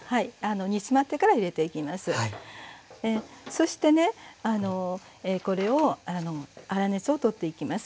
そしてねこれを粗熱を取っていきます。